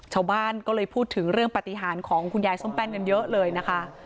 ชาวบ้านก็เลยพูดถึงเรื่องปฏิหารของคุณยายส้มแป้นกันเยอะเลยนะคะ